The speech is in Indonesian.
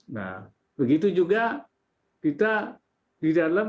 nah begitu juga kita di dalam